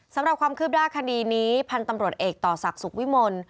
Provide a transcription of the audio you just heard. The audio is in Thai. สำหรับความคืบหน้าคดีนี้พันธุ์ตำรวจเอกต่อศักดิ์สุขวิมล